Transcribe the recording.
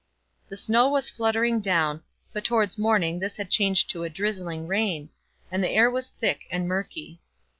The snow was fluttering down, but towards morning this had changed to a drizzling rain, and the air was thick and murky.